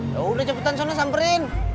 yaudah jeputan sana samperin